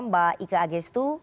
mbak ike agestu